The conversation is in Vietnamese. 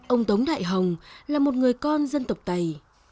ông tống đại hồng là một người con dân tộc tây